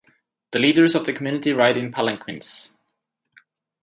The leaders of the community ride in palanquins.